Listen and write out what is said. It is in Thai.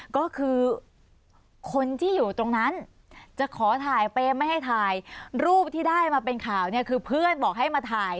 ก็คือคนที่อยู่ตรงนั้นจะขอถ่ายเปรมไม่ให้ถ่ายรูปที่ได้มาเป็นข่าวเนี่ยคือเพื่อนบอกให้มาถ่าย